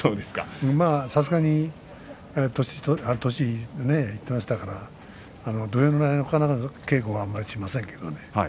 まあ、さすがに年いってましたから土俵の中の稽古はあまりしませんけどね。